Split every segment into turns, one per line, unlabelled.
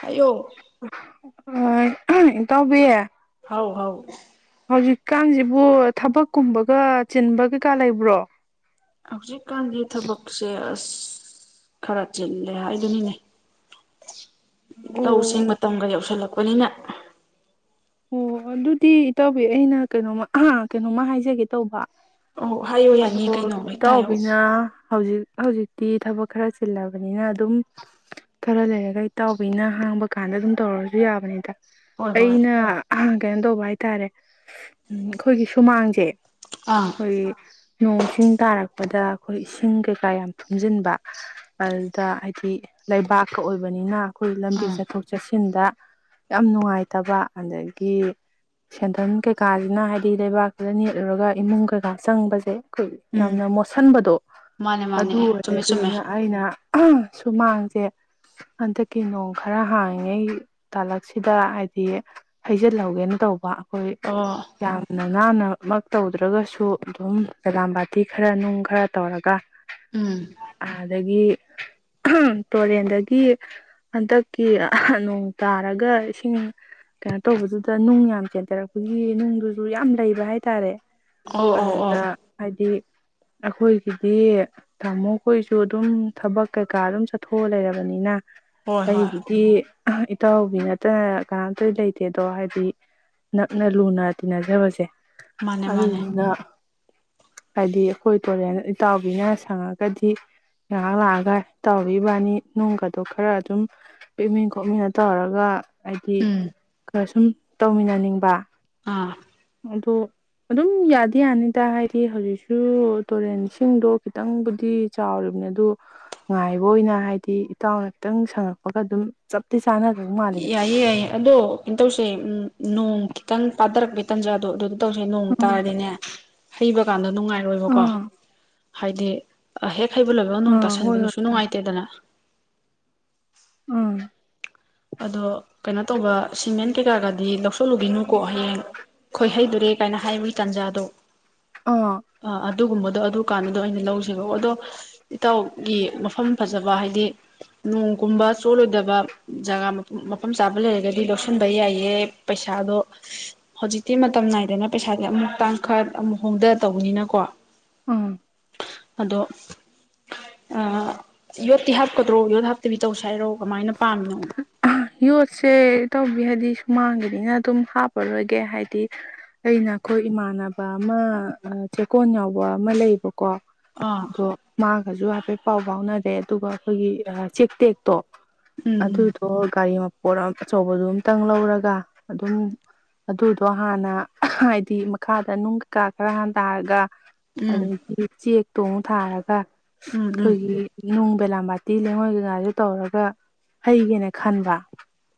ꯍꯥꯏꯌꯣ
ꯑꯣ ꯏꯇꯥꯎꯕꯤꯌꯦ
ꯍꯧ ꯍꯧ
ꯍꯧꯖꯤꯛꯀꯥꯟꯁꯤꯕꯨ ꯊꯕꯛꯀꯨꯝꯕꯒ ꯆꯤꯟꯕ ꯀꯩꯀꯥ ꯂꯩꯕ꯭ꯔꯣ
ꯍꯧꯖꯤꯛꯀꯥꯟꯒꯤ ꯊꯕꯛꯁꯦ ꯑꯁ ꯈꯔ ꯆꯤꯜꯂꯦ ꯍꯥꯏꯗꯨꯅꯤꯅꯦ ꯂꯧꯁꯤꯡ
ꯑꯣ
ꯃꯇꯝꯒ ꯌꯎꯁꯜꯂꯛꯄ ꯑꯩꯅꯤꯅ
ꯑꯣ ꯑꯗꯨꯗꯤ ꯏ ꯇꯧꯕꯤ ꯑꯩꯅ ꯀꯩꯅꯣꯃ ꯑ ꯀꯩꯅꯣꯃ ꯍꯥꯏꯖꯒꯦ ꯇꯧꯕ
ꯑꯣ ꯍꯥꯏꯌꯣ ꯌꯥꯅꯤ
ꯑꯗꯣ
ꯀꯩꯅꯣ ꯑꯩꯇꯥꯏꯌꯣ
ꯏꯇꯥꯎꯕꯤꯅ ꯍꯧꯖꯤꯛ ꯍꯧꯖꯤꯛꯇꯤ ꯊꯕꯛ ꯈꯔ ꯆꯤꯜꯂꯕꯅꯤꯅ ꯑꯗꯨꯝ ꯈꯔ ꯂꯩꯔꯒꯩ ꯏꯇꯥꯎꯕꯤꯅ ꯍꯥꯡꯕ ꯀꯥꯟꯗ ꯑꯗꯨꯝ ꯇꯧꯔꯁꯨ ꯌꯥꯕꯅꯤꯗ
ꯍꯣꯏ ꯍꯣꯏ
ꯑꯩꯅ ꯀꯩꯅꯣ ꯇꯧꯕ ꯍꯥꯏꯇꯥꯔꯦ ꯑꯩꯈꯣꯏꯒꯤ ꯁꯨꯃꯥꯡꯁꯦ
ꯑꯥ
ꯑꯩꯣꯏ ꯅꯣꯡꯁꯤꯡꯤꯡ ꯇꯥꯔꯛꯄꯗ ꯑꯩꯈꯣꯏ ꯏꯁꯤꯡ ꯀꯩꯀꯥ ꯌꯥꯝ ꯊꯨꯝꯖꯤꯟꯕ ꯑꯗꯨꯗ ꯍꯥꯏꯗꯤ ꯂꯩꯕꯥꯛꯀ ꯑꯣꯏꯕꯅꯤꯅ ꯑꯩꯈꯣꯏ ꯂꯝꯕꯤ
ꯑꯥ
ꯆꯠꯊꯣꯛ ꯆꯠꯁꯤ ꯊꯤꯟꯗ ꯌꯥꯝ ꯅꯨꯡꯉꯥꯏꯇꯕ ꯑꯗꯒꯤ ꯁꯦꯟꯊꯪ ꯀꯩꯀꯥꯁꯤꯅ ꯍꯥꯏꯗꯤ ꯂꯩꯕꯥꯛꯁꯤꯗ ꯅꯦꯠꯂꯨꯔꯒ ꯏꯃꯨꯡ ꯀꯩꯀꯥ ꯆꯪꯕꯁꯦ ꯑꯩꯈꯣꯏ
ꯎꯝ
ꯌꯥꯝꯅ ꯃꯣꯠꯁꯤꯟꯕꯗꯣ
ꯃꯥꯅꯦ ꯃꯥꯅꯦ
ꯑꯗꯨ ꯑꯣꯏꯔꯦ
ꯆꯨꯝꯃꯦ ꯆꯨꯝꯃꯦ
ꯑꯗꯨꯗꯨꯅ ꯑꯩꯅ ꯁꯨꯃꯥꯡꯁꯦ ꯍꯟꯗꯛꯀꯤ ꯅꯣꯡ ꯈꯔ ꯍꯥꯡꯉꯉꯩ ꯇꯥꯂꯛꯁꯤꯗ ꯍꯥꯏꯗꯤ ꯍꯩꯖꯤꯜꯍꯧꯒꯦꯅ ꯇꯧꯕ ꯑꯩꯈꯣꯏ
ꯑꯣ
ꯌꯥꯝꯅ ꯅꯥꯟꯅ ꯃ ꯇꯧꯗ꯭ꯔꯒꯁꯨ ꯑꯗꯨꯝ ꯀꯦꯂꯥꯝ ꯕꯥꯇꯤ ꯈꯔ ꯅꯨꯡ ꯈꯔ ꯇꯧꯔꯒ
ꯎꯝ
ꯑꯗꯒꯤ ꯇꯨꯔꯦꯟꯗꯒꯤ ꯍꯟꯗꯛꯀꯤ ꯅꯣꯡ ꯇꯥꯔꯒ ꯏꯁꯤꯡ ꯀꯩꯅꯣ ꯇꯧꯕꯗꯨꯗ ꯅꯨꯡ ꯌꯥꯝ ꯆꯦꯟꯊꯔꯛꯄꯒꯤ ꯅꯨꯡꯗꯨꯁꯨ ꯌꯥꯝ ꯂꯩꯕ ꯍꯥꯏꯇꯥꯔꯦ
ꯑꯣ ꯑꯣ ꯑꯣ
ꯍꯥꯎꯗ ꯍꯥꯏꯗꯤ ꯑꯩꯈꯣꯏꯒꯤꯗꯤ ꯇꯥꯃꯣꯈꯣꯏꯁꯨ ꯑꯗꯨꯝ ꯊꯕꯛ ꯀꯩꯀꯥ ꯑꯗꯨꯝ ꯆꯠꯊꯣꯛꯑ ꯂꯩꯔꯕꯅꯤꯅ
ꯍꯣꯏ ꯍꯣꯏ
ꯑꯩꯒꯤꯗꯤ ꯏꯇꯥꯎꯕꯤ ꯅꯠꯇꯅ ꯀꯅꯥꯝꯇ ꯂꯩꯇꯦꯗꯣ ꯍꯥꯏꯗꯤ ꯅꯛꯅ ꯂꯨꯅ ꯇꯤꯟꯅꯖꯕꯁꯦ
ꯃꯥꯅꯦ ꯃꯥꯅꯦ
ꯑꯗꯨꯗ ꯍꯥꯏꯗꯤ ꯑꯩꯈꯣꯏ ꯇꯨꯔꯦꯟ ꯏꯇꯥꯎꯕꯤꯅ ꯁꯪꯉꯒꯗꯤ ꯉꯥꯏꯍꯥꯛ ꯂꯥꯛꯑꯒ ꯏꯇꯥꯎꯒꯤꯕꯥꯅꯤ ꯅꯨꯡꯒꯗꯣ ꯈꯔ ꯑꯗꯨꯝ ꯄꯦꯛꯃꯤꯟ ꯈꯣꯠꯃꯤꯟꯅ ꯇꯧꯔꯒ ꯍꯥꯏꯗꯤ
ꯎꯝ
ꯑ ꯁꯨꯝ ꯇꯧꯃꯤꯟꯅꯅꯤꯡꯕ
ꯑꯥ
ꯑꯗꯣ ꯑꯗꯨꯝ ꯌꯥꯗꯤ ꯌꯥꯅꯤꯗ ꯍꯥꯏ ꯍꯧꯖꯤꯛꯁꯨ ꯇꯨꯔꯦꯟ ꯏꯁꯤꯡꯗꯣ ꯈꯤꯇꯪꯕꯨꯗꯤ ꯆꯥꯎꯔꯤꯕꯅꯦ ꯑꯗꯨꯗꯣ ꯉꯥꯏꯕ ꯑꯣꯏꯅ ꯍꯥꯏꯗꯤ ꯏꯇꯥꯎꯅ ꯈꯤꯇꯪ ꯁꯪꯉꯛꯄꯒ ꯑꯗꯨꯝ ꯆꯞꯇꯤ ꯆꯥꯅ
ꯌꯥꯏꯌꯦ ꯌꯥꯏꯌꯦ ꯑꯗꯣ ꯀꯩꯅꯣ ꯇꯧꯁꯦ ꯎꯝ ꯅꯣꯡ ꯈꯤꯇꯪ ꯄꯥꯊꯔꯛꯄꯦ ꯇꯥꯟꯖꯥꯗꯣ ꯑꯗꯨ ꯇꯧꯁꯦ ꯅꯣꯡ
ꯎꯝ
ꯇꯥꯔꯗꯤꯅꯦ ꯍꯩꯕꯀꯥꯟ ꯅꯨꯡꯉꯥꯏꯔꯣꯏꯕꯀꯣ
ꯑꯥ
ꯍꯥꯏꯗꯤ ꯍꯦꯛ ꯌꯥꯈꯩꯕꯨ ꯂꯣꯏꯕꯃꯛ ꯅꯣꯡ
ꯑꯥ ꯍꯣꯏ ꯍꯣꯏ
ꯇꯥꯁꯟꯕꯗꯨꯁꯨ
ꯏꯇꯥꯎ
ꯅꯨꯡꯉꯥꯏꯇꯦꯗꯅ
ꯑꯥ
ꯑꯗꯣ ꯀꯩꯅꯣ ꯇꯧꯕ ꯁꯤꯃꯦꯟ ꯀꯩꯀꯥꯒꯗꯤ ꯂꯧꯁꯤꯜꯂꯨꯒꯅꯨꯀꯣ ꯍꯌꯦꯡ ꯈꯣꯏ ꯍꯩꯗꯨꯔꯦ ꯀꯥꯏꯅ ꯍꯥꯏꯕꯒꯤ ꯇꯥꯟꯖꯥꯗꯣ
ꯑ
ꯑꯗꯨꯒꯨꯝꯕꯗꯣ ꯑꯗꯨ ꯀꯥꯟꯗꯨꯗꯣ ꯑꯩꯅ ꯂꯧꯁꯤꯀ ꯑꯗꯣ ꯏꯇꯥꯎꯒꯤ ꯃꯐꯝ ꯐꯖꯕ ꯍꯥꯏꯗꯤ ꯅꯣꯡꯒꯨꯝꯕ ꯆꯣꯠꯂꯣꯏꯗꯕ ꯖꯒꯥ ꯃꯐꯝ ꯆꯥꯕ ꯂꯩꯔꯒꯗꯤ ꯂꯧꯁꯤꯟꯕ ꯌꯥꯏꯑ ꯄꯩꯁꯥꯗꯣ ꯍꯧꯖꯤꯛꯇꯤ ꯃꯇꯝ ꯅꯥꯏꯗꯅ ꯄꯩꯁꯥꯗꯤ ꯑꯃꯨ ꯇꯥꯡꯈ ꯑꯃꯨꯛ ꯍꯣꯡꯊ ꯇꯧꯕꯅꯤꯅꯀꯣ
ꯎꯝ
ꯑꯗꯣ ꯌꯣꯠꯇꯤ ꯍꯥꯞꯀꯗ꯭ꯔꯣ ꯌꯣꯠ ꯍꯥꯞꯇꯕꯤ ꯇꯧꯁ ꯍꯥꯏꯔꯣ ꯀꯃꯥꯏꯅ ꯄꯥꯝꯃꯤꯅꯣ ꯎ
ꯌꯣꯠꯁꯦ ꯇꯧꯕꯤ ꯍꯥꯏꯗꯤ ꯁꯨꯃꯥꯡꯒꯤꯅꯤꯅ ꯑꯗꯨꯝ ꯍꯥꯞꯄꯔꯣꯏꯒꯦ ꯍꯥꯏꯗꯤ ꯑꯩꯅ ꯑꯩꯈꯣꯏ ꯏꯃꯥꯟꯅꯕ ꯑꯃ ꯆꯦꯛꯀꯣꯟ ꯌꯥꯎꯕ ꯂꯩꯕꯀꯣ
ꯑꯥ
ꯑꯣꯒ ꯍꯥꯏꯐꯦꯠ ꯄꯥꯎ ꯐꯥꯎꯅ ꯦ ꯑꯗꯨꯒ ꯑꯩꯈꯣꯏꯒꯤ ꯆꯦꯛ ꯇꯦꯛꯇꯣ ꯑꯗꯨ
ꯎꯝ
ꯋꯥꯔꯤꯔꯤ ꯃꯄꯣꯠ ꯑꯆꯧꯕꯗꯨꯣ ꯑꯇꯪ ꯂꯧꯔꯒ ꯑꯗꯨꯝ ꯑꯗꯨꯗꯣ ꯍꯥꯟꯅ ꯍꯥꯏꯗꯤ ꯃꯈꯥꯗ ꯅꯨꯡ ꯀꯩꯀꯥ ꯈꯔ ꯍꯥꯟ ꯇꯥꯔꯒ
ꯎꯝ
ꯑꯗꯒꯤ ꯏꯔꯤꯆꯤ ꯊꯣꯡ ꯊꯥꯔꯒ
ꯎꯝ ꯎꯝ ꯎꯝ
ꯑꯩꯈꯣꯏꯒꯤꯣꯡ ꯕꯦꯂꯥ ꯕꯥꯇꯤ ꯂꯩꯦꯡꯉꯣꯏꯒꯤ ꯉꯥꯁꯦ ꯇꯧꯔꯒ ꯍꯩꯒꯦꯅ ꯈꯟꯕ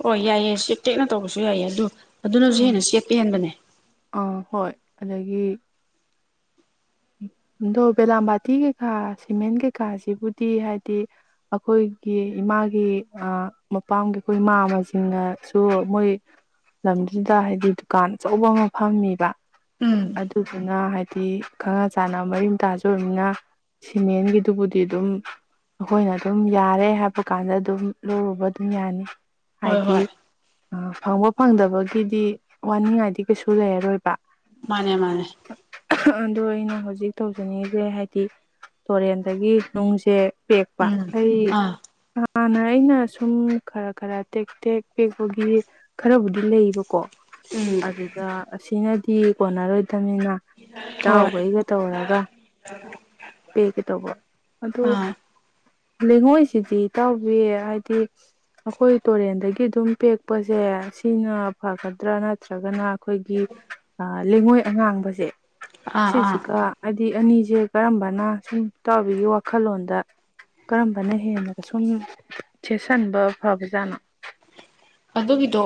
ꯍꯣꯏ ꯌꯥꯏꯑ ꯆ ꯇꯦꯛꯅ ꯇꯧꯕꯁꯨ ꯌꯥꯏꯑ ꯑꯗꯨ ꯑꯗꯨꯅꯁꯨ ꯍꯦꯟꯅ
ꯑꯥ
ꯁꯦꯠꯄ ꯍꯦꯟꯕꯅꯦ
ꯑꯥ ꯍꯣꯏ ꯑꯗꯒꯤ ꯑꯗꯣ ꯕꯦꯂꯥꯕꯥꯇꯤ ꯀꯩꯀꯥ ꯁꯤꯃꯦꯟ ꯀꯩꯀꯥꯁꯤꯕꯨꯗꯤ ꯍꯥꯏꯗꯤ ꯑꯩꯈꯣꯏꯒꯤ ꯏꯃꯥꯒꯤ ꯃꯄꯥꯝꯒꯤ ꯑꯩꯈꯣꯏ ꯏꯃꯥ ꯑꯃꯁꯤꯡꯅꯁꯨ ꯃꯣꯏ ꯂꯝꯗꯨꯗ ꯍꯥꯏꯕꯗꯤ ꯗꯨꯀꯥꯟ ꯑꯆꯧꯕ ꯑꯃ ꯐꯝꯃꯤꯕ
ꯎꯝ
ꯑꯗꯨ ꯑꯗꯨꯅ ꯍꯥꯏꯗꯤ ꯈꯪꯉ ꯆꯥꯟꯅ ꯃꯔꯤ ꯇꯥꯖꯕꯅꯤꯅ ꯁꯤꯃꯦꯟꯒꯤꯗꯨꯕꯨꯗꯤ ꯑꯗꯨꯝ ꯑꯩꯈꯣꯏꯅ ꯑꯗꯨꯝ ꯌꯥꯔꯦ ꯍꯥꯏꯕ ꯀꯥꯟꯗ ꯑꯗꯨꯝ ꯂꯧꯔꯨꯕ ꯑꯗꯨꯝ ꯌꯥꯅꯤ
ꯍꯣꯏ
ꯍꯥꯏꯗꯤ
ꯍꯣꯏ
ꯑ ꯐꯪꯕ ꯐꯪꯗꯕꯒꯤꯗꯤ ꯋꯥꯅꯤꯡꯉꯥꯏꯗꯤ ꯀꯩꯁꯨ ꯂꯩꯔꯔꯣꯏꯕ
ꯃꯥꯅꯦ ꯃꯥꯅꯦ
ꯑꯗꯣ ꯑꯩꯅ ꯍꯧꯖꯤꯛ ꯇꯧꯖꯅꯤꯡꯉꯤꯁꯦ ꯍꯥꯏꯗꯤ ꯇꯨꯔꯦꯟꯗꯒꯤ ꯅꯨꯡꯁꯦ ꯄꯦꯛꯄ
ꯎꯝ
ꯑꯩ
ꯑꯥ
ꯍꯥꯟꯅ ꯑꯩꯅ ꯁꯨꯝ ꯈꯔ ꯈꯔ ꯇꯦꯛ ꯇꯦꯛ ꯄꯦꯛꯄꯒꯤ ꯈꯔꯕꯨꯗꯤ ꯂꯩꯌꯦꯕꯀꯣ
ꯎꯝ
ꯑꯗꯨꯗ ꯑꯁꯤꯅ ꯇꯤ ꯀꯣꯟꯅꯔꯣꯏꯗꯕꯅꯤꯅ
ꯍꯣꯏ
ꯏꯇꯥꯎꯕꯩꯒ ꯇꯧꯔꯒ ꯄꯤꯒꯦ ꯇꯧꯕꯣ ꯑꯗꯨꯣ
ꯑꯥ
ꯂꯩꯉꯣꯏꯁꯤꯗꯤ ꯏꯇꯥꯎꯕꯤꯌꯦ ꯍꯥꯏꯗꯤ ꯑꯩꯈꯣꯏ ꯇꯨꯔꯦꯟꯗꯒꯤ ꯑꯗꯨꯝ ꯄꯦꯛꯄꯁꯦ ꯁꯤꯅ ꯐꯒꯗ꯭ꯔꯥ ꯅꯠꯇ꯭ꯔꯒꯅ ꯑꯩꯈꯣꯏꯒꯤ ꯂꯩꯉꯣꯏ ꯑꯉꯥꯡꯕꯁꯦ
ꯑꯥ ꯑꯥ
ꯁꯤꯦꯁꯤꯀꯥ ꯗꯤ ꯑꯅꯤꯁꯦ ꯀꯔꯝꯕꯅ ꯁꯨꯝ ꯇꯥꯎꯕꯤꯒꯤ ꯋꯥꯈꯜꯂꯣꯟꯗ ꯀꯔꯝꯕꯅ ꯍꯦꯂꯒ ꯁꯨꯝ ꯁꯦꯠꯁꯟꯕ ꯐꯕꯖꯥꯠꯅꯣ
ꯑꯗꯨꯒꯤꯗꯣ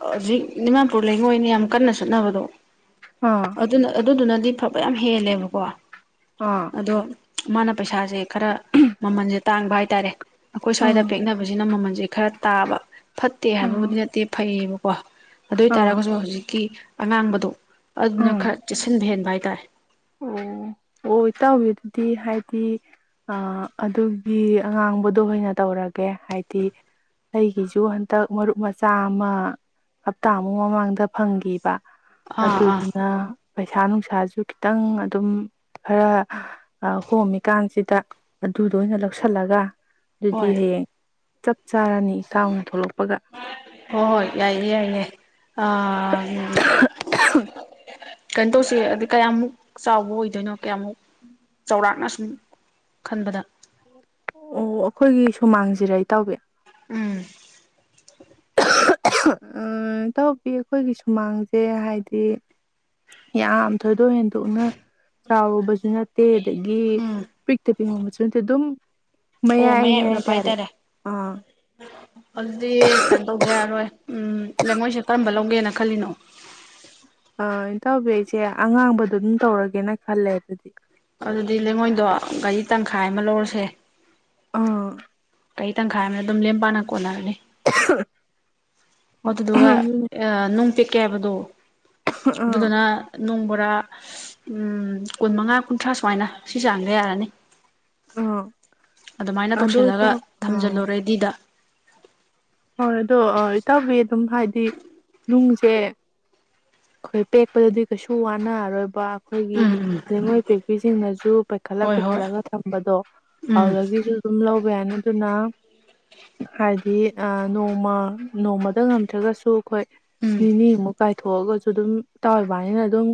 ꯍꯧꯖꯤꯛ ꯗꯤꯃꯥꯄꯨꯔ ꯂꯩꯉꯣꯏꯅꯤ ꯌꯥꯝ ꯀꯟꯅ ꯁꯠꯅꯕꯗꯣ
ꯑꯥ
ꯑꯗꯨꯅ ꯑꯗꯨꯗꯨꯅ ꯑꯗꯨꯗꯤ ꯐꯕ ꯌꯥꯝ ꯍꯦꯜꯂꯦꯕꯀꯣ
ꯑꯥ
ꯑꯗꯣ ꯃꯥꯅ ꯄꯩꯁꯥꯁꯦ ꯈꯔ ꯃꯃꯜꯁꯦ ꯇꯥꯡꯕ ꯍꯥꯏꯇꯥꯔꯦ ꯑꯩꯈꯣꯏ
ꯑꯥ
ꯁ꯭ꯋꯥꯏꯗ ꯄꯦꯛꯅꯕꯁꯤꯅ ꯃꯃꯜ ꯁꯦ ꯈꯔ ꯇꯥꯕ ꯐꯠꯇꯦ
ꯑꯥ
ꯍꯥꯏꯕꯕꯨꯗꯤ ꯅꯠꯇꯦ ꯐꯩꯌꯦꯕꯀꯣ ꯋꯥꯎ ꯑꯗꯨ ꯑꯣꯏ
ꯑꯥ
ꯇꯥꯔꯒꯁꯨ ꯍꯧꯖꯤꯛꯀꯤ ꯑꯉꯥꯡꯕꯗꯣ ꯑꯗꯨꯅ
ꯑꯥ
ꯈꯔ ꯆꯦꯛꯁꯤꯟꯕ ꯍꯦꯟꯕ ꯍꯥꯏ ꯇꯥꯔꯦ
ꯑꯣ ꯏꯇꯥꯎꯕꯤ ꯑꯗꯨꯗꯤ ꯍꯥꯏꯗꯤ ꯑ ꯑꯗꯨꯒꯤ ꯑꯉꯥꯡꯕꯗꯣ ꯑꯣꯏꯅ ꯇꯧꯔꯒꯦ ꯍꯥꯏꯗꯤ ꯑꯩꯒꯤꯁꯨ ꯍꯟꯇꯛ ꯃꯔꯨꯞ ꯃꯆꯥ ꯑꯃ ꯍꯞꯇꯥꯃꯨꯛ ꯃꯃꯥꯡꯗ ꯐꯪꯒꯤ ꯕꯥ
ꯑꯥ ꯑꯥ
ꯑꯗꯨꯗꯨꯅ ꯄꯩꯁꯥ ꯅꯨꯡꯁꯥꯁꯨ ꯈꯤꯇꯪ ꯑꯗꯨꯝ ꯈꯔ ꯀꯣꯝꯃꯤꯀꯥꯟꯁꯤꯗ ꯑꯗꯨꯗ ꯑꯣꯏꯅ ꯂꯧꯁꯤꯜꯂꯒ ꯑꯗꯨꯗꯤ
ꯍꯣꯏ
ꯍꯌꯦꯡ ꯆꯞ ꯆꯥꯔꯅꯤ ꯏꯥꯎꯅ ꯊꯣꯛꯂꯛꯄꯒ
ꯑꯥ ꯎꯝ ꯀꯩꯅꯣ ꯇꯧꯁꯦ ꯍꯥꯏꯗꯤ ꯀꯌꯥꯃꯨꯛ ꯆꯥꯎꯕ ꯑꯣꯏꯗꯣꯏꯅꯣ ꯀꯌꯥꯃꯨꯛ ꯆꯥꯎꯔꯥꯛꯅ ꯁꯨꯝ ꯈꯟꯕꯗ
ꯑꯣ ꯑꯩꯈꯣꯏꯒꯤ ꯁꯨꯃꯥꯡꯁꯤꯔ ꯏꯇꯥꯎꯕꯤ
ꯎꯝ
ꯎꯝ ꯏꯇꯥꯎꯕꯤ ꯑꯩꯈꯣꯏꯒꯤ ꯁꯨꯃꯥꯡꯁꯦ ꯍꯥꯏꯗꯤ ꯌꯥꯝ ꯊꯣꯏꯗꯣꯛ ꯍꯦꯟꯗꯣꯛꯅ ꯆꯥꯎꯔꯨꯕꯁꯨ ꯅꯠꯇꯦ ꯑꯗꯒꯤ
ꯎꯝ
ꯄꯤꯛꯇ ꯄꯤꯛꯃꯟꯕꯁꯨ ꯅꯠꯇꯦ ꯑꯗꯨꯝ
ꯑꯣ ꯃꯌꯥꯏ
ꯃꯌꯥꯏꯅꯦ
ꯑꯣꯏꯔꯞꯄ
ꯍꯥꯏꯇꯥꯔꯦ ꯑꯥ
ꯑꯗꯨꯗꯤ ꯀꯩꯅꯣ ꯇꯧꯗꯦ ꯌꯥꯔꯔꯣꯏ ꯎꯝ ꯂꯩꯉꯣꯏꯁꯦ ꯀꯔꯝꯕ ꯂꯧ ꯒꯦꯅ ꯈꯜꯂꯤꯅꯣ
ꯑꯥ ꯏꯇꯥꯎꯕꯤ ꯑꯩꯁꯦ ꯑꯉꯥꯡꯕꯗꯣ ꯑꯗꯨꯝ ꯇꯧꯔꯒꯦꯅ ꯈꯜꯂꯦ ꯑꯗꯨꯗꯤ
ꯑꯗꯨꯗꯤ ꯂꯩꯉꯣꯏꯗꯣ ꯒꯥꯔꯤ ꯇꯪꯈꯥꯏ ꯑꯃ ꯂꯧꯔꯁꯦ
ꯑꯥ
ꯒꯔꯤ ꯇꯪꯈꯥꯏ ꯑꯃꯅ ꯑꯗꯨꯝ ꯂꯦꯝ ꯄꯥꯟꯅ ꯀꯣꯟꯅꯔꯅꯤ
[unintelligible]
ꯑꯗꯨꯗꯨꯒ ꯑ ꯅꯨꯡꯄꯤꯛ ꯀꯦ ꯍꯥꯏꯕꯗꯣ
ꯑꯥ
ꯑꯗꯨꯗꯅ ꯅꯨꯡ ꯕꯣꯔꯥ ꯎꯝ ꯀꯨꯟꯃꯉꯥ ꯀꯨꯟꯊ꯭ꯔꯥ ꯁꯨꯃꯥꯏꯅ ꯁꯤ ꯆꯥꯡꯗ ꯌꯥꯔꯅꯤ
ꯑꯥ
ꯑꯗꯨꯃꯥꯏꯅ
ꯑꯗꯣ
ꯇꯧꯁꯤꯜꯂꯒ
ꯏꯇꯥꯎ ꯑꯥ
ꯊꯝꯖꯤꯜꯂꯨ ꯔꯦꯗꯤꯗ
ꯍꯣꯏ ꯑꯗꯣ ꯏꯇꯥꯎꯕꯤ ꯑꯗꯨꯝ ꯍꯥꯏꯗꯤ ꯅꯨꯡꯁꯦ ꯈꯣꯏ ꯄꯦꯛꯄꯗꯗꯤ ꯀꯩꯁꯨ ꯋꯥꯅꯔꯔꯣꯏꯕ ꯑꯩꯈꯣꯏꯒꯤ
ꯎꯝ ꯎꯝ
ꯂꯩꯉꯣꯏ ꯄꯦꯛꯄꯤꯁꯤꯡꯅꯁꯨ ꯄꯩꯈꯠꯂ
ꯍꯣꯏ ꯍꯣꯏ
ꯄꯩꯈꯠꯂꯒ ꯊꯝꯕꯗꯣ
ꯎꯝ
ꯑꯗꯨꯗꯒꯤꯁꯨ ꯑꯗꯨꯝ ꯂꯧ ꯌꯥꯅꯤ ꯑꯗꯨꯅ ꯍꯥꯏꯗꯤ ꯅꯣꯡꯃ ꯅꯣꯡꯃꯗ ꯉꯝꯗ꯭ꯔꯒꯁꯨ ꯑꯩꯈꯣꯏ
ꯎꯝ
ꯅꯤꯅꯤꯃꯨꯛ ꯀꯥꯏ ꯊꯣꯛꯑꯒꯁꯨ ꯑꯗꯨꯝ ꯇꯥꯎꯏꯕꯅꯤꯅ ꯑꯗꯨꯝ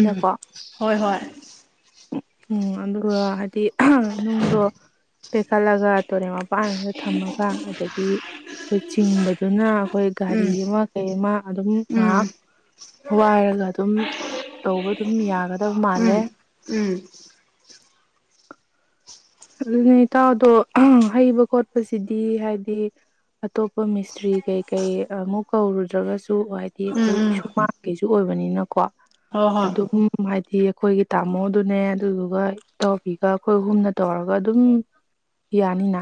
ꯎꯝ ꯍꯣꯏ ꯍꯣꯏ
ꯎꯝ ꯑꯗꯨꯒ ꯍꯥꯏꯗꯤ ꯅꯨꯡꯗꯣ ꯄꯦꯛꯈꯠꯂꯒ ꯇꯨꯔꯦꯟ ꯃꯄꯥꯟꯒ ꯊꯝꯃꯒ ꯑꯗꯒꯤ ꯑꯩꯈꯣꯏ ꯆꯤꯡꯕꯗꯨꯅ ꯑꯩꯈꯣꯏ ꯒꯥꯔꯤ
ꯎꯝ
ꯑꯃ ꯀꯩ ꯑꯃ ꯑꯗꯨꯝ
ꯎꯝ
ꯉꯥꯏꯍꯥꯛ ꯋꯥꯏꯔꯒ ꯑꯗꯨꯝ ꯇꯧꯕ ꯑꯗꯨꯝ ꯌꯥꯒꯗꯕ ꯃꯥꯜꯂꯦ
ꯎꯝ ꯎꯝ
ꯅꯇꯗꯣ ꯍꯩꯕ ꯈꯣꯠꯄꯁꯤꯗꯤ ꯍꯥꯏꯗꯤ ꯑꯇꯣꯞꯄ ꯃꯤꯁꯇ꯭ꯔꯤ ꯀꯩꯀꯩ ꯑꯃꯨꯛ ꯀꯧꯔꯨꯗ꯭ꯔꯒꯁꯨ ꯁꯨ ꯍꯥꯏꯗꯤ
ꯎꯝ
ꯑꯩꯈꯣꯏ
ꯎꯝ
ꯁꯨꯃꯥꯡꯁꯨ ꯁꯤ ꯑꯣꯏꯕꯅꯤꯅꯀꯣ
ꯍꯣꯏ ꯍꯣꯏ
ꯑꯗꯨꯝ ꯍꯥꯏ ꯗꯤ ꯑꯩꯈꯣꯏꯒꯤ ꯇꯥꯃꯣꯗꯨꯅꯦ ꯑꯗꯨꯗꯨꯒ ꯇꯥꯎꯕꯤꯒ ꯑꯩꯈꯣꯏ ꯑꯍꯨꯝꯅ ꯇꯧꯔꯒ ꯑꯗꯨꯝ ꯌꯥꯅꯤꯅ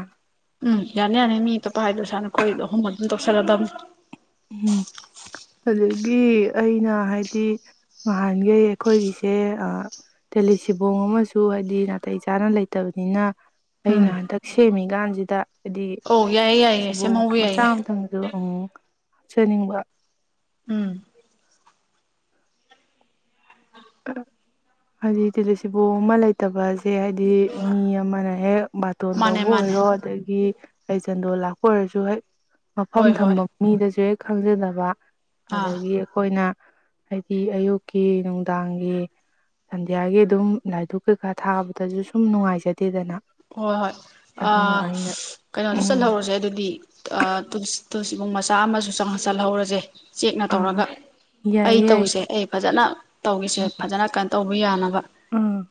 ꯎꯝ ꯌꯥꯅꯤ ꯌꯥꯅꯤ ꯃꯤ ꯑꯇꯣꯞꯄ ꯍꯥꯏꯗꯣ ꯁꯥꯥꯅ ꯈꯣꯣꯏꯗꯣ ꯑꯍꯨꯝ ꯑꯗꯨꯝ ꯇꯧꯁꯜꯂꯗꯕꯅꯤ
ꯎꯝ ꯑꯗꯒꯤ ꯑꯩꯅ ꯍꯥꯏꯗꯤ ꯅꯍꯥꯟꯈꯩ ꯑꯩꯈꯣꯏꯒꯤꯁꯦ ꯇꯦꯜꯂꯤ ꯁꯤꯕꯣꯡ ꯑꯃꯁꯨ ꯍꯥꯏꯗꯤ ꯅꯥꯇꯩ ꯆꯥꯅ ꯂꯩꯇꯕꯅꯤꯅ ꯑꯩꯅ
ꯎꯝ
ꯍꯟꯗꯛ ꯁꯦꯝꯃꯤꯀꯥꯟꯁꯤꯗ ꯍꯥꯏꯗꯤ
ꯑꯧ ꯌꯥꯏꯌꯦ ꯌꯥꯏꯌꯦ
ꯁꯕꯨ
ꯁꯦꯝꯍꯧꯕ
ꯃꯆꯥ
ꯌꯥꯏꯌꯦ
ꯑꯃꯊꯪꯁꯨ ꯎ ꯁꯅꯤꯡꯕ
ꯎꯝ
ꯍꯥꯏꯗꯤ ꯇꯤꯗꯤ ꯁꯤꯕꯨ ꯑꯃ ꯂꯩꯇꯕ ꯁ ꯍꯥꯏꯗꯤ ꯃꯤ ꯑꯃꯅ ꯍꯦꯛ ꯕꯥꯇꯣꯟ
ꯃꯥꯅꯦ
ꯇꯧꯕ
ꯃꯥꯅꯦ
ꯑꯣꯏꯔꯣ ꯑꯗꯒꯤ ꯑꯩ ꯁꯦꯟꯗꯣ ꯂꯥꯛꯄ ꯑꯣꯏꯔꯁꯨ ꯍꯦꯛ ꯃꯐꯝ
ꯍꯣꯏ ꯍꯣꯏ
ꯊꯝꯕ ꯃꯤꯗꯁꯨ ꯍꯦꯛ ꯈꯪꯖꯗꯕ
ꯑꯥ
ꯑꯗꯒꯤ ꯑꯩꯈꯣꯏꯅ ꯍꯥꯏꯗꯤ ꯑꯌꯨꯛꯀꯤ ꯅꯨꯡꯗꯥꯡꯒꯤ ꯁꯟꯗꯌꯥꯒꯤ ꯑꯗꯨꯝ ꯂꯥꯏꯙꯛ ꯀꯩꯀꯥ ꯊꯥꯕꯗꯁꯨ ꯁꯨꯝ ꯅꯨꯡꯉꯥꯏꯖꯗꯦꯗꯅ
ꯍꯣꯏ ꯍꯣꯏ
ꯑꯗꯨꯅ ꯑꯩꯅ
ꯀꯩꯅꯣꯁꯨ
ꯎꯝ
ꯆꯠꯍꯧꯔꯁꯦ ꯑꯗꯨꯗꯤ ꯏ ꯁꯤꯕꯨꯡ ꯃꯆꯥ ꯑꯃꯁꯨꯪ ꯆꯜꯍꯧꯔꯁꯦ ꯆꯦꯛꯅ
ꯑꯥ
ꯇꯧꯔꯒ ꯑꯩ
ꯌꯥꯏꯌꯦ ꯌꯥꯏꯌꯦ
ꯇꯧꯁꯦ ꯑꯩ ꯐꯖꯅ ꯇꯧꯔꯤꯁꯦ ꯐꯖꯅ ꯀ ꯇꯧꯕ ꯌꯥꯅꯕ
ꯎꯝ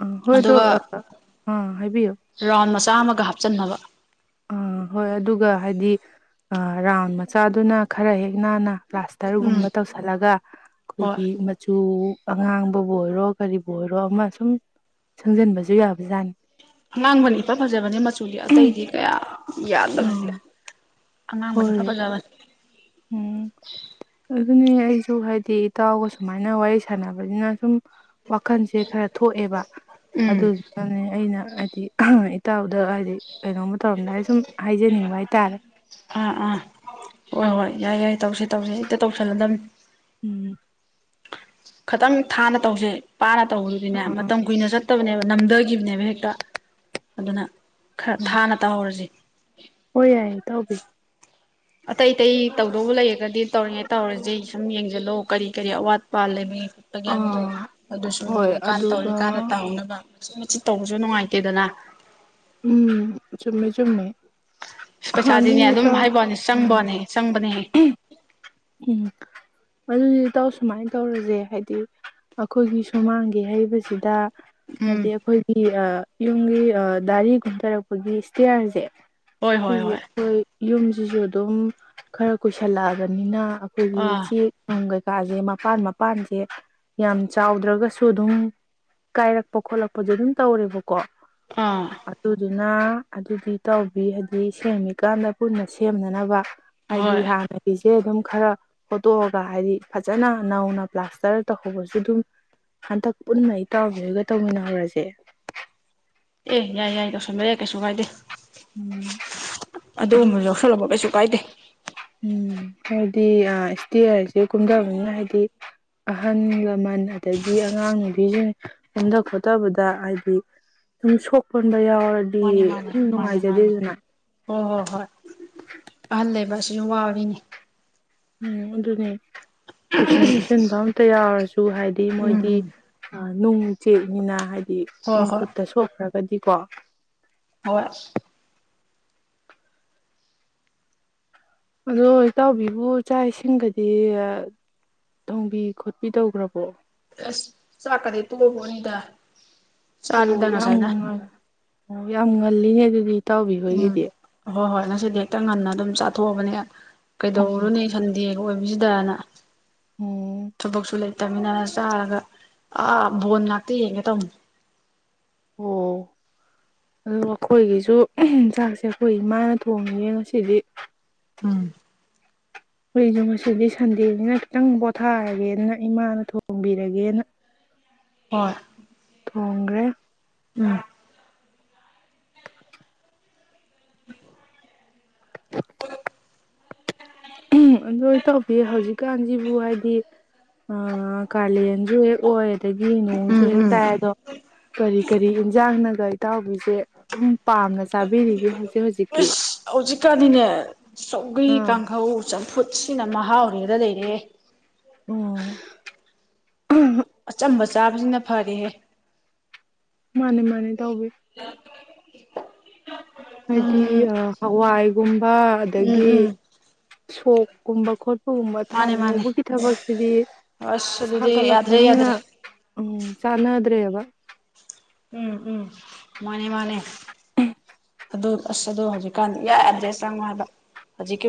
ꯎꯝ ꯍꯣꯏꯗꯣ ꯎꯝ
ꯔꯝ ꯆꯥꯝꯃꯒ ꯍꯥꯞꯆꯟꯅꯕ
ꯑꯥ ꯍꯣꯏ ꯑꯗꯨꯒ ꯍꯥꯏꯗꯤ ꯔꯥꯎꯟ ꯃꯆꯥꯗꯨꯅ ꯈꯔ ꯍꯦꯛ ꯅꯥꯟꯅ
ꯎꯝ
ꯄ꯭ꯂꯥꯁꯇꯔꯒꯨꯝꯕ ꯇꯧꯁꯤꯜꯂꯒ
ꯍꯣꯏ
ꯑꯩꯈꯣꯏꯒꯤ ꯃꯆꯨ ꯑꯉꯥꯡꯕꯕꯨ ꯑꯣꯏꯔꯣ ꯀꯔꯤꯕꯨ ꯑꯣꯏꯔꯣ ꯑꯃ ꯁꯨꯝ ꯁꯪꯖꯟꯕꯁꯨ ꯌꯥꯕꯖꯥꯠꯅꯤ
ꯑꯉꯥꯡꯕꯅ ꯌꯥꯗꯕꯅꯤ
ꯑꯥ
ꯑꯉꯥꯡꯕꯗꯤ ꯐ
ꯍꯣꯏ
ꯐꯖꯕꯅꯤ
ꯎꯝ ꯑꯗꯨꯅꯦ ꯑꯩꯁꯨ ꯍꯥꯏꯗꯤ ꯏꯇꯥꯎꯒ ꯁꯨꯃꯥꯏꯅ ꯋꯥꯔꯤ ꯁꯥꯟꯅꯕꯅꯤꯅ ꯁꯨꯝ ꯋꯥꯈꯜꯁꯦ ꯈꯔ ꯊꯣꯛꯑꯦꯕ
ꯎꯝ
ꯑꯗꯨꯗꯨꯅꯅꯦ ꯑꯩꯅ ꯍꯥꯏꯗꯤ ꯏꯇꯥꯎꯗ ꯍꯥꯏꯗꯤ ꯀꯩꯅꯣꯝꯃ ꯇꯧꯔꯝꯗꯥꯏ ꯁꯨꯝ ꯍꯥꯏꯖꯅꯤꯡꯕ ꯍꯥꯏꯇꯥꯔꯦ
ꯑꯥ ꯑꯥ ꯍꯣꯏ ꯍꯣꯏ ꯌꯥꯏ ꯌꯥꯏ ꯇꯧꯁ ꯇꯧꯁꯦ ꯏꯛꯇ ꯇꯧꯁꯜꯂꯗꯝꯅꯤ
ꯎꯝ
ꯈꯤꯇꯪ ꯊꯥꯅ ꯇꯧꯁꯦ ꯄꯥꯅ ꯇꯧꯔꯨꯗꯨꯅꯦ ꯃꯇꯝ ꯀꯨꯏꯅ ꯆꯠꯇꯕꯅꯦꯕ ꯅꯝꯊꯈꯤꯕꯅꯦꯕ ꯍꯦꯛ ꯑꯗꯨꯅ ꯈꯔ ꯊꯥꯅ ꯇꯧꯍꯧꯔꯁꯤ
ꯍ ꯌꯥꯏꯌꯦ ꯇꯧꯕꯤ
ꯑꯇꯩ ꯑꯇꯩ ꯇꯧꯗꯧꯕ ꯂꯩꯔꯒꯗꯤ ꯇꯧꯔꯤꯉꯦ ꯇꯧꯔꯁꯦ ꯁꯨꯝ ꯌꯦꯡꯁꯤꯜꯂꯣ ꯀꯔꯤ ꯀꯔꯤ ꯑꯋꯥꯠꯄ ꯂꯩꯃꯤ ꯆꯠꯄꯒꯤꯕꯗꯣ
ꯑꯥ
ꯑꯗꯨꯁꯨ
ꯍꯣꯏ
ꯀꯥꯟꯅ ꯇꯧꯋꯔꯤ
ꯑꯗꯨꯒ
ꯀꯥꯟꯗ ꯇꯧꯍꯧꯅꯕ ꯃꯠ ꯃꯆꯤꯠ ꯇꯧꯕꯁꯨ ꯅꯨꯡꯉꯥꯏꯇꯦꯗꯅ
ꯎꯝ ꯆꯨꯝꯃꯦ ꯆꯨꯝꯃꯦ
ꯑꯁ ꯄꯩꯁꯥꯗꯤꯅꯦ
ꯑꯗꯨꯅꯦ
ꯑꯗꯨꯝ
ꯏꯇꯥꯎ
ꯍꯥꯏꯕꯅꯦ
ꯎꯝ
ꯆꯪꯕꯅꯦ ꯆꯪꯕꯅꯦꯍ
ꯎꯝ ꯑꯗꯨꯗꯤ ꯇꯧ ꯁꯨꯃꯥꯏꯅ ꯇꯧꯔꯁꯦ ꯍꯥꯏꯗꯤ ꯑꯩꯈꯣꯏꯒꯤ ꯁꯨꯃꯥꯡꯒꯤ ꯍꯩꯕꯁꯤꯗ
ꯎꯝ
ꯍꯥꯏꯗꯤ ꯑꯩꯈꯣꯏꯒꯤ ꯑ ꯌꯨꯝꯒꯤ ꯗꯥꯔꯤ ꯀꯨꯝꯊꯔꯛꯄꯒꯤ ꯏꯁꯇꯤꯌꯥꯔꯁꯦ
ꯍꯣꯏ ꯍꯣꯏ ꯍꯣꯏ
ꯁꯤꯖꯦꯣꯏ ꯌꯨꯝꯁꯤꯁꯨ ꯑꯗꯨꯝ ꯈꯔ ꯀꯨꯏꯁꯜꯂꯛꯑꯒ ꯑꯅꯤꯅ ꯑꯩꯈꯣꯏꯒꯤ
ꯑꯥ
ꯁꯤ ꯀꯀꯥꯁꯦ ꯃꯄꯥꯟ ꯃꯄꯥꯟꯁꯦ ꯌꯥꯝ ꯆꯥꯎꯗ꯭ꯔꯒꯁꯨ ꯑꯗꯨꯝ ꯀꯥꯏꯔꯛꯄ ꯈꯣꯠꯂꯛꯄꯁꯦ ꯑꯗꯨꯝ ꯇꯧꯔꯦꯕ ꯀꯣ
ꯑꯥ
ꯑꯗꯨꯗꯤ ꯑꯗꯨꯗꯤ ꯇꯧꯕꯤ ꯍꯥꯏꯗꯤ ꯁꯦꯝꯃꯤꯀꯥꯟꯗ ꯄꯨꯟꯅ ꯁꯦꯝꯅꯅꯕ ꯍꯥꯏꯗꯤ
ꯍꯣꯏ
ꯍ ꯁꯦ ꯑꯗꯨꯝ ꯈꯔ ꯍꯣꯠꯇꯣꯛꯑꯒ ꯍꯥꯏꯕꯗꯤ ꯐꯖꯅ ꯅꯧꯅ ꯄ꯭ꯂꯥꯁꯇꯔ ꯇꯧꯍꯧꯕꯁꯨ ꯑꯗꯨꯝ ꯍꯟꯇꯛ ꯄꯨꯟꯅ ꯑꯩꯇꯧꯒꯔꯒ ꯇꯧꯃꯤꯟꯅꯈꯨꯔꯁꯦ
ꯑꯦ ꯌꯥꯏ ꯌꯥꯏ ꯇꯧꯁꯟꯕꯔꯦ ꯀꯩꯁꯨ ꯀꯥꯏꯗꯦ
ꯎꯝ
ꯑꯗꯨꯗ ꯂꯁ ꯂꯕ ꯀꯩꯁꯨ ꯀꯗꯦ
ꯎꯝ ꯍꯥꯏꯗꯤ ꯏꯁꯇꯦ ꯍꯥꯏꯁꯦ ꯀꯨꯝꯊꯕꯅꯤꯅ ꯍꯥꯏꯗꯤ ꯑꯍꯜ ꯂꯃꯟ ꯑꯗꯒꯤ ꯑꯉꯥꯡ ꯅꯨꯕꯤꯁꯤꯡ ꯀꯨꯝꯊ ꯈꯣꯠꯇꯕꯗ ꯍꯥꯏꯗꯤ ꯁꯨꯝ ꯁꯣꯛ ꯍꯣꯟꯕ ꯌꯥꯎꯋꯦ
ꯃꯥꯅꯦ ꯃꯥꯅꯦ ꯃꯥꯅꯦ ꯃꯥꯅꯦ ꯍ ꯍꯣ ꯍꯣꯏ ꯑꯜꯂ ꯂꯩꯕꯁ ꯅꯨꯪꯉꯥꯏꯔꯤ
ꯎꯝ ꯑꯗꯨꯅꯤ ꯇꯨꯏꯁꯟ ꯈꯣꯆꯟꯕ ꯑꯝꯇ ꯌꯥꯎꯔꯁꯨ ꯍꯥꯏꯗꯤ
ꯎꯝ
ꯃꯣꯏꯗꯤ
ꯎꯝ
ꯅꯨꯡ ꯎꯆꯦꯛꯅꯤꯅ ꯍꯥꯏꯗꯤ
ꯍꯣꯏ
ꯈꯣꯡ
ꯍꯣꯏ
ꯈꯨꯨꯠꯇ ꯁꯣꯛꯈ꯭ꯔꯒ ꯗꯤꯀꯣ
ꯍꯣꯏ
ꯑꯗꯣ ꯏꯇꯥꯎꯕꯤꯕꯨ ꯏꯥꯛ ꯏꯁꯤꯡꯒꯗꯤ ꯊꯣꯡꯕꯤ ꯈꯣꯠꯄꯤ ꯇꯧꯈ꯭ꯔꯕꯣ
ꯑ ꯆꯀꯗꯤ ꯊꯣꯑꯄꯣꯠꯅꯤꯗ ꯆꯥꯅꯨꯗꯥ
ꯑꯣ ꯌꯥꯝ
ꯉꯥꯏꯁꯥꯏꯅꯥ
ꯉꯟ ꯑꯣ ꯌꯥꯝ ꯉꯜꯂꯤꯅꯦ ꯑꯗꯨ
ꯎꯝ
ꯇꯥꯎꯕꯤꯈꯣꯏꯒꯤꯗꯤ
ꯍꯣꯏ ꯍꯣꯏ ꯉꯁꯤꯗꯤ ꯍꯦꯛꯇ ꯉꯟꯅ ꯑꯗꯨꯝ ꯆꯥꯊꯣꯛꯑꯕꯅꯦ
ꯎꯝ
ꯀꯩꯗꯧꯔꯅꯤ ꯈꯟꯗ ꯗꯦꯒ ꯑꯣꯏꯕꯕꯁꯤꯗꯅ
ꯎꯝ
ꯊꯄꯣꯛꯁꯨ ꯂꯩ ꯇꯃꯤꯟꯅꯔ ꯆꯥꯔꯒ ꯑꯥ ꯕꯣꯟ ꯉꯥꯛꯇ ꯌꯦꯡꯒꯦ ꯇꯧꯃꯨ
ꯑꯣ ꯑꯗꯨꯒ ꯑꯩꯈꯣꯏꯒꯤꯁꯨ ꯆꯥꯛꯁꯦ ꯑꯩꯈꯣꯏꯒꯤ ꯃꯥꯅ ꯊꯣꯡꯉꯤꯅꯦ ꯉꯁꯤꯗꯤ
ꯎꯝ
ꯍꯖꯤꯛꯁꯨ ꯉꯁꯤꯗꯤ ꯁꯟꯗꯦꯁꯤꯅ ꯈꯤꯇꯪ ꯄꯣꯊꯥꯔꯒꯦꯅ ꯏꯃꯥꯅ ꯊꯣꯡꯕꯤꯔꯒꯦꯅ
ꯍꯣꯏ
ꯊꯣꯡꯈ꯭ꯔꯦ
ꯎꯝ
[unintelligible] ꯑꯗꯨꯣꯏ ꯇꯧꯕꯤ ꯍꯧꯖꯤꯛꯀꯥꯟꯁꯤꯕꯨ ꯍꯥꯏꯗꯤ ꯀꯥꯂꯦꯟꯁꯨ ꯍꯦꯛ ꯑꯣꯏ ꯑꯗꯒꯤ ꯅꯣꯡꯁꯨ
ꯎꯝ
ꯍꯦꯛ
ꯎꯝ
ꯇꯥꯏ ꯑꯗꯣ ꯀꯔꯤ ꯀꯔꯤ ꯌꯦꯟꯁꯥꯡꯅꯒ ꯏꯇꯥꯎꯕꯤꯁꯦ ꯑꯗꯨꯝ ꯄꯥꯝꯅ ꯆꯥꯕꯤꯔꯤꯒꯦ ꯍꯧꯖꯤꯛ ꯍꯧꯖꯤꯛ
ꯍꯧꯖꯤꯛꯀꯥꯗꯤꯅꯦ ꯁꯒꯔꯤ
ꯑꯥ
ꯀꯥꯡꯈꯧ ꯆꯝꯐꯨꯠ ꯁꯤꯅ ꯃꯍꯥꯎꯔꯦꯗ ꯂꯩꯔꯦ
ꯎꯝ
ꯑꯆꯝꯕ ꯆꯥꯕꯁꯤꯅ ꯐꯔꯦꯍꯦ
ꯃꯥꯅꯦ ꯃꯥꯅꯦ ꯇꯎꯕꯤ ꯍꯥꯏꯗꯤ
ꯎꯝ
ꯑ ꯍꯋꯥꯏꯒꯨꯝ ꯋꯥ
ꯎꯝ
ꯑꯗꯒꯤ
ꯎꯝ
ꯁꯣꯛꯀꯨꯝꯕ ꯈꯣꯠꯄ ꯑꯗꯨꯒꯨꯝꯕ ꯊꯥꯎ
ꯃꯥꯅꯦ ꯃꯥꯅꯦ
ꯉꯧꯕꯒꯤ ꯊꯕꯛꯁꯤꯗꯤ
ꯑꯁ ꯑꯗꯨꯗꯤ ꯌꯥꯗ꯭ꯔꯦ
ꯁꯥꯒꯠꯂꯛꯄꯅꯤꯅ
ꯌꯥꯗ꯭ꯔꯦ
ꯎꯝ ꯆꯥꯟꯅꯗ꯭ꯔꯦꯕ
ꯎꯝ ꯎꯝ ꯃꯥꯅꯦ ꯃꯥꯅꯦ ꯑꯗꯨ ꯑꯁ ꯑꯗꯨ ꯍꯧꯖꯤꯛꯀꯥꯟ ꯌꯥꯏ ꯌꯥꯗ꯭ꯔꯦ ꯆꯪꯑꯣ ꯍꯥꯏꯗ ꯍꯧꯖꯤꯛꯀꯤ